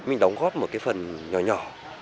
mình đóng góp một cái phần nhỏ nhỏ